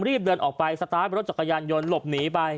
รีบเดินออกไปสตาร์ทรถจักรยานยนต์หลบหนีไป